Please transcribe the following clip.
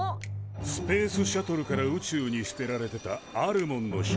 スペースシャトルから宇宙に捨てられてたあるモンの光なんだ。